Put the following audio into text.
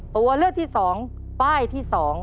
ตัวเลือกที่๒ป้ายที่๒